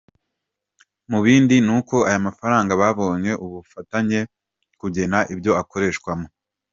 Mu bindi ni uko ya mafaranga babonye ubu bafatanya kugena ibyo akoreshwamo.